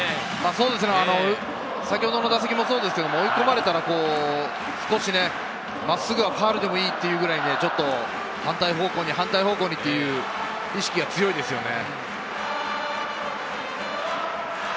そうですね、先ほどの打席もそうですけど、追い込まれたら少し真っすぐ、ファウルでもいいぐらいに反対方向に反対方向にという意識が強いですね。